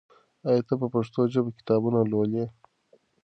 آیا ته په پښتو ژبه کتابونه لولې؟